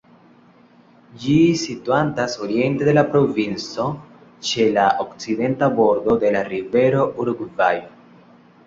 Ĝi situantas oriente de la provinco, ĉe la okcidenta bordo de la rivero Urugvajo.